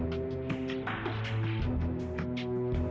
terima kasih mas